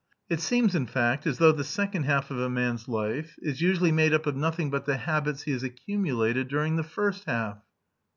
"It seems, in fact, as though the second half of a man's life is usually made up of nothing but the habits he has accumulated during the first half."